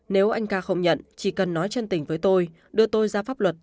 nếu anh ca không nhận chỉ cần nói chân tình với tôi đưa tôi ra pháp luật